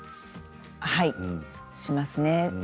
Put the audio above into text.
はい、しますね。